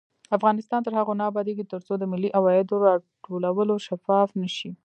افغانستان تر هغو نه ابادیږي، ترڅو د ملي عوایدو راټولول شفاف نشي.